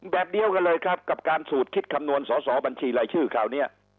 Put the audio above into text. แบบเดียวกันเลยครับกับการสูตรคิดคำนวณสอสอบัญชีรายชื่อคราวนี้